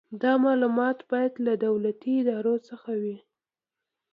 دا معلومات باید له دولتي ادارو څخه وي.